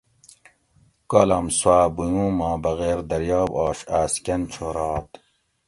کالام سوا بُیوں ما بغیر دریاب آش آس کۤن چھورات؟